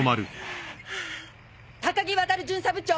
高木渉巡査部長！